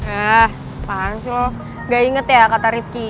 eh paham sih lo ga inget ya kata rifqi